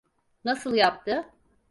Nasıl yaptı?